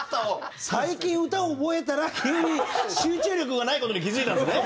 最近歌を覚えたら急に集中力がない事に気付いたんですね。